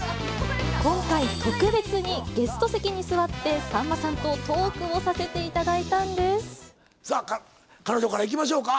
今回、特別にゲスト席に座って、さんまさんとトークをさせていただいたさあ、彼女からいきましょうか。